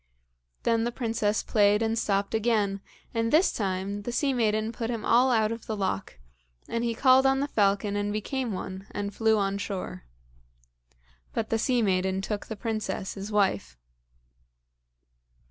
Then the princess played and stopped again, and this time the sea maiden put him all out of the loch, and he called on the falcon and became one and flew on shore. But the sea maiden took the princess, his wife.